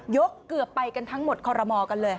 เกือบไปกันทั้งหมดคอรมอกันเลย